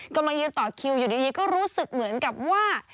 กำลังยืนต่อคิวอยู่ดีก็รู้สึกเหมือนกับว่า